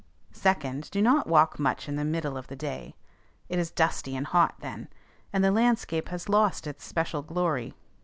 "Second, do not walk much in the middle of the day. It is dusty and hot then; and the landscape has lost its special glory.